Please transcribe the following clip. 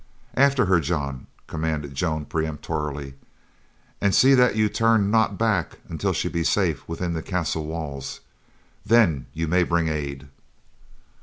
"After her, John," commanded Joan peremptorily, "and see that you turn not back until she be safe within the castle walls; then you may bring aid."